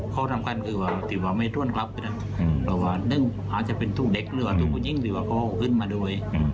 ข้อสำคัญคือว่าถือว่าไม่ท่วนคลับเราว่านึงอาจจะเป็นทุกเด็กหรือว่าถูกบุญจิ้งหรือว่าเขาขึ้นมาด้วย